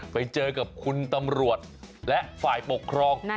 ไปเจอกับคุณตำรวจและฝ่ายปกครอง